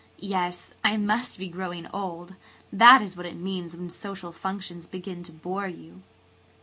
"Yes, I must be growing old. That is what it means when social functions begin to bore you."